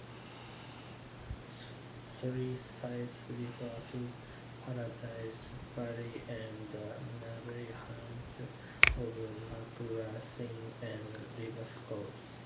Three Cities refers to Paradise Valley and the nearby hamlets of McLaughlin and Rivercourse.